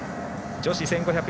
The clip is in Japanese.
女子１５００